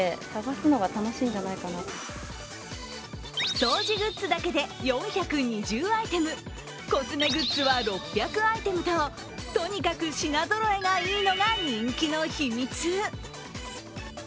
掃除グッズだけで４２０アイテムコスメグッズは６００アイテムと、とにかく品ぞろえがいいのが人気の秘密。